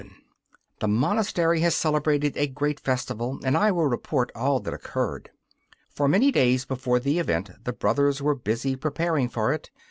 11 The monastery has celebrated a great festival, and I will report all that occurred. For many days before the event the brothers were busy preparing for it.